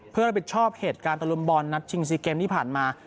เพื่อรับผิดชอบเหตุการณ์ตะลุมบอลนัดชิง๔เกมที่ผ่านมา